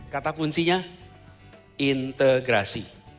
kata kuncinya integrasi